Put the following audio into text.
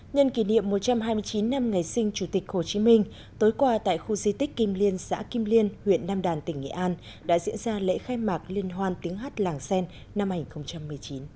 nhân kỷ niệm một trăm hai mươi chín năm ngày sinh chủ tịch hồ chí minh tối qua tại khu di tích kim liên xã kim liên huyện nam đàn tỉnh nghệ an đã diễn ra lễ khai mạc liên hoan tiếng hát làng sen năm hai nghìn một mươi chín